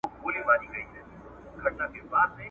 د فرعون په سر کي تل یوه سودا وه ,